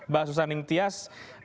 bah susaning tias